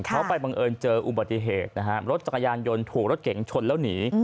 เขาไปบังเอิญเจออุบัติเหตุนะฮะรถจักรยานยนต์ถูกรถเก๋งชนแล้วหนี